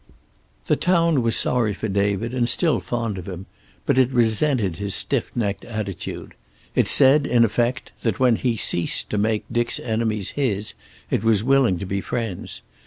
The town was sorry for David and still fond of him, but it resented his stiff necked attitude. It said, in effect, that when he ceased to make Dick's enemies his it was willing to be friends.